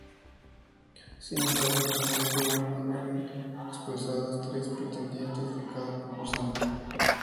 Sin embargo, en el primer programa eran expulsadas tres pretendientes de cada concursante.